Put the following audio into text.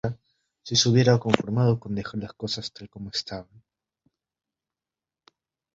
sí se hubiera conformado con dejar las cosas tal como estaban